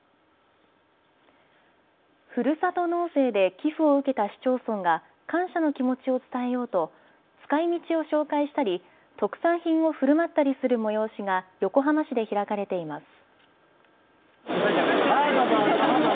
ふるさと納税で寄付を受けた市町村が感謝の気持ちを伝えようと使いみちを紹介したり特産品をふるまったりする催しが横浜市で開かれています。